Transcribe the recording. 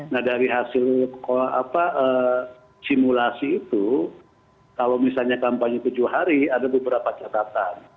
nah dari hasil simulasi itu kalau misalnya kampanye tujuh hari ada beberapa catatan